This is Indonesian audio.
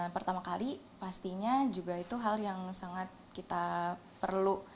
pertama kali pastinya juga itu hal yang sangat kita perlu